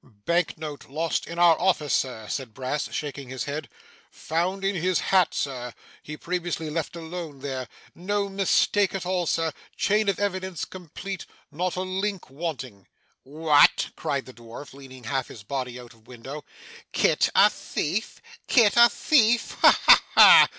'Bank note lost in our office sir,' said Brass, shaking his head. 'Found in his hat sir he previously left alone there no mistake at all sir chain of evidence complete not a link wanting.' 'What!' cried the dwarf, leaning half his body out of window. 'Kit a thief! Kit a thief! Ha ha ha!